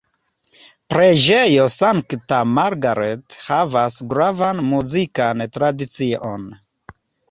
Preĝejo Sankta Margaret havas gravan muzikan tradicion.